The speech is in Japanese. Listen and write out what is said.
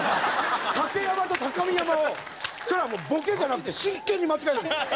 竹山と高見山をそれはもうボケじゃなくて真剣に間違えるんですよ。